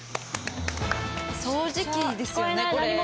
掃除機ですよね？